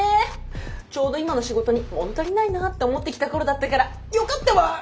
ちょうど今の仕事に物足りないなって思ってきた頃だったからよかったわ！